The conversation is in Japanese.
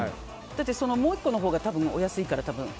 もう１個のほうがお安いから多分。